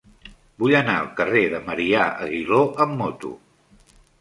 Vull anar al carrer de Marià Aguiló amb moto.